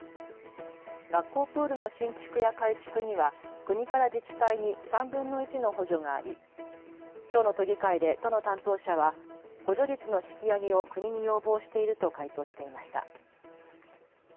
学校プールの新築や改築には国から自治体に３分の１の補助がありきょうの都議会で都の担当者は補助率の引き上げを国に要望していると回答していました。